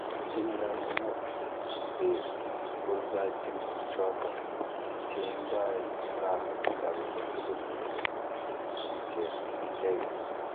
tinyei kamugeet chenungarainichoto cheindenoi robinikab tuguk icheget